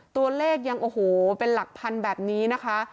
ตัวเลขยังเป็นหลักพันธุ์แบบนี้นะคะ